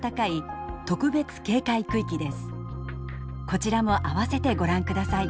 こちらも併せてご覧ください。